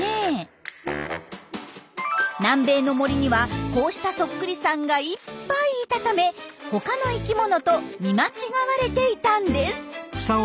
南米の森にはこうしたそっくりさんがいっぱいいたため他の生きものと見間違われていたんです。